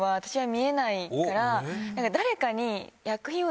誰かに。